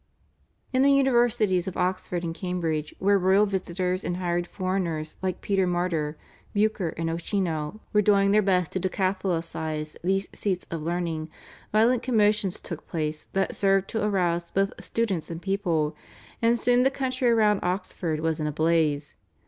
In the Universities of Oxford and Cambridge, where royal visitors and hired foreigners like Peter Martyr, Bucer, and Ochino were doing their best to decatholicise these seats of learning, violent commotions took place, that served to arouse both students and people, and soon the country around Oxford was in a blaze.